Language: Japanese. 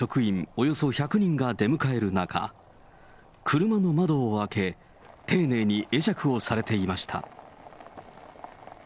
およそ１００人が出迎える中、車の窓を開け、丁寧に会釈をされていました。